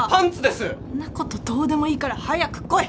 そんなことどうでもいいから早く来い！